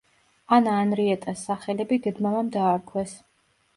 ანა ანრიეტას სახელები დედ-მამამ დაარქვეს.